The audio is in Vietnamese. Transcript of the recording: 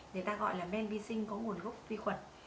người ta gọi là men vi sinh có nguồn gốc vi khuẩn